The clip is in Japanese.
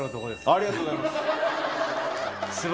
ありがとうございます。